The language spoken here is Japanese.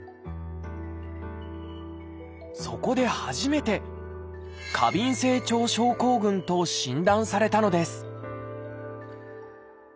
そこで初めて「過敏性腸症候群」と診断されたのです